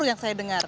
itu yang saya dengar